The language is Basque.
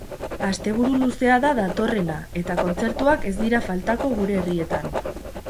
Asteburu luzea da datorrena eta kontzertuak ez dira faltako gure herrietan.